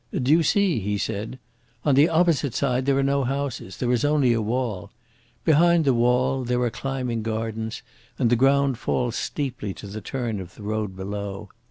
"Do you see?" he said. "On the opposite side there are no houses; there is only a wall. Behind the wall there are climbing gardens and the ground falls steeply to the turn of the road below.